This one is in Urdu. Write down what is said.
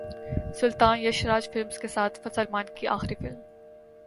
سلطان یش راج فلمز کے ساتھ سلمان کی اخری فلم